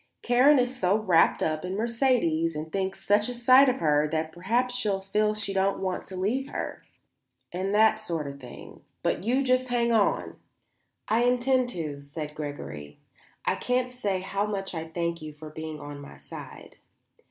Karen is so wrapped up in Mercedes and thinks such a sight of her that perhaps she'll feel she don't want to leave her and that sort of thing; but just you hang on." "I intend to," said Gregory. "I can't say how much I thank you for being on my side."